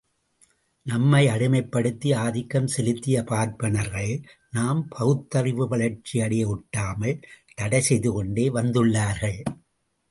நம்மை அடிமைப்படுத்தி ஆதிக்கம் செலுத்திய பார்ப்பனர்கள் நாம் பகுத்தறிவு வளர்ச்சி அடைய ஒட்டாமல் தடை செய்துகொண்டே வந்துள்ளார்கள்.